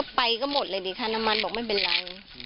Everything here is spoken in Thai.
ไปก็หมดเลยนี่ค่ะน้ำมันบอกไม่เป็นไร